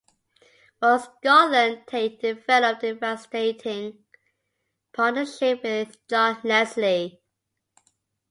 For Scotland Tait developed a devastating partnership with John Leslie.